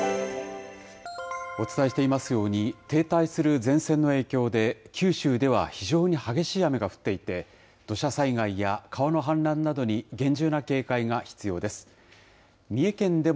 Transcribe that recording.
お伝えしていますように、停滞する前線の影響で、九州では非常に激しい雨が降っていて、土砂災害や川の氾濫などに厳重な警戒が必要です。